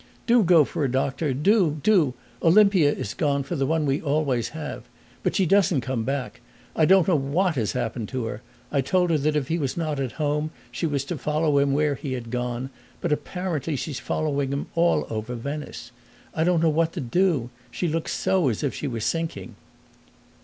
"Do go for a doctor do, do! Olimpia is gone for the one we always have, but she doesn't come back; I don't know what has happened to her. I told her that if he was not at home she was to follow him where he had gone; but apparently she is following him all over Venice. I don't know what to do she looks so as if she were sinking."